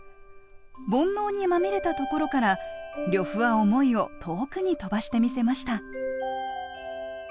煩悩にまみれたところから呂布は想いを遠くに飛ばしてみせました。